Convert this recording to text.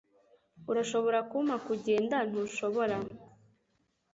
Urashobora kumpa kugenda ntushobora